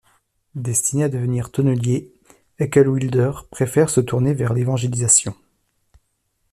Destiné à devenir tonnelier, Heckewelder préfère se tourner vers l’évangélisation.